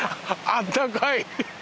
「あったかい」